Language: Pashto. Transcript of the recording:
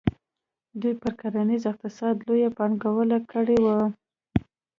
دوی پر کرنیز اقتصاد لویه پانګونه کړې وه.